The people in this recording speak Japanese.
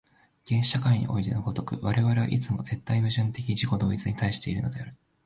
原始社会においての如く、我々はいつも絶対矛盾的自己同一に対しているのである。